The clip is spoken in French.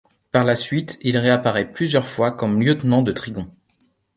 Par la suite, il réapparaît plusieurs fois comme lieutenant de Trigon.